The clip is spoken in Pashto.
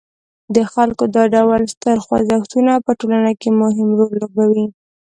د خلکو دا ډول ستر خوځښتونه په ټولنه کې مهم رول لوبوي.